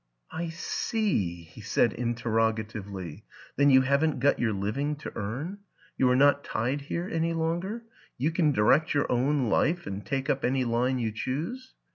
" I see," he said interrogatively; " then you haven't got your living to earn you are not tied here any longer? You can direct your own life and take up any line you choose